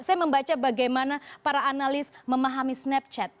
saya membaca bagaimana para analis memahami snapchat